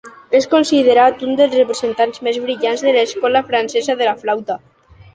És considerat un dels representants més brillants de l'Escola francesa de la flauta.